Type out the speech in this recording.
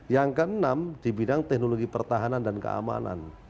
yang keenam di bidang teknologi pertahanan dan keamanan